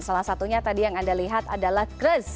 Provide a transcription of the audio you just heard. salah satunya tadi yang anda lihat adalah kres